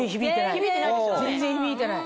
全然響いてない。